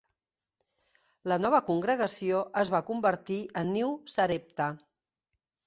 La nova congregació es va convertir en New Sarepta.